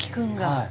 はい。